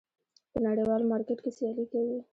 په نړیوال مارکېټ کې سیالي کوي.